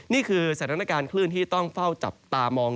นี่คือสถานการณ์คลื่นที่ต้องเฝ้าจับตามอง